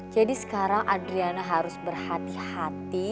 jadi sekarang adriana harus berhati hati